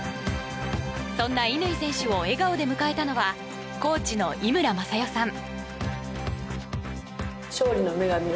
そんな乾選手を笑顔で迎えたのはコーチの井村雅代さん。